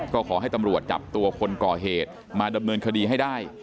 ก็ขอให้ตำรวจจับตัวคนก่อเหตุมาดำเนินคดีให้ได้